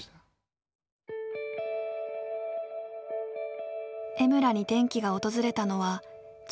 江村に転機が訪れたのは中学生の時。